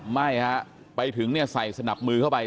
ไม่ฮะไปถึงเนี่ยใส่สนับมือเข้าไป